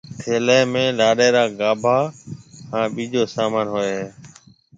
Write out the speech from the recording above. ٿَيلي ۾ لاڏيِ را گاڀاها هانَ ٻِيجو سامان هوئي هيَ۔